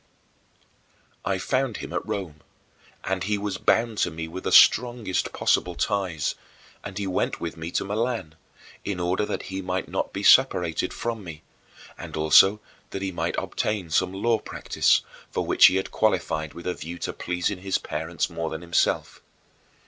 I found him at Rome, and he was bound to me with the strongest possible ties, and he went with me to Milan, in order that he might not be separated from me, and also that he might obtain some law practice, for which he had qualified with a view to pleasing his parents more than himself.